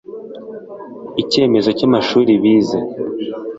icyemezo cy’amashuri bize